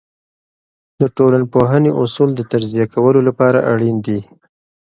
د ټولنپوهنې اصول د تجزیه کولو لپاره اړین دي.